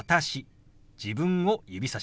自分を指さします。